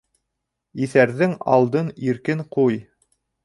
Иҫәрҙең алдын иркен ҡуй.